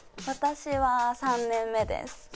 私は３年目です。